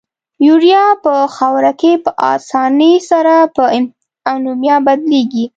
یوریا په خاوره کې په آساني سره په امونیا بدلیږي.